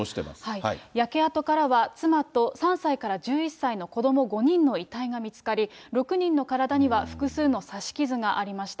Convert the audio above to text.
焼け跡からは、妻と３歳から１１歳の子ども５人の遺体が見つかり、６人の体には複数の刺し傷がありました。